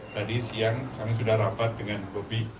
tadi siang kami sudah rapat dengan bobi